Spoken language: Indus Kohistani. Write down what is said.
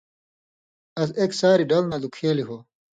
اَس ایک ساریۡ ڈَل نہ لُکھیلیۡ ہو۔